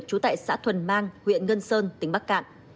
trú tại xã thuần mang huyện ngân sơn tỉnh bắc cạn